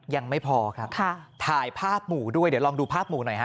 ยังไม่พอครับถ่ายภาพหมู่ด้วยเดี๋ยวลองดูภาพหมู่หน่อยฮ